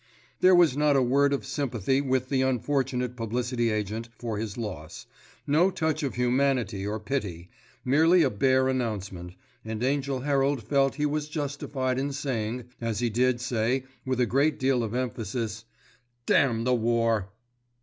There was not a word of sympathy with the unfortunate publicity agent for his loss, no touch of humanity or pity, merely a bare announcement, and Angell Herald felt he was justified in saying, as he did say with a great deal of emphasis, "Damn the war!"